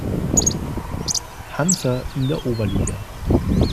Hansa in der Oberliga.